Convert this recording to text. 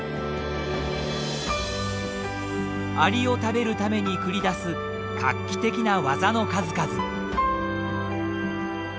アリを食べるために繰り出す画期的な技の数々。